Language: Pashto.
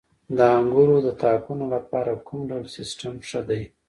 د انګورو د تاکونو لپاره کوم ډول سیستم ښه دی؟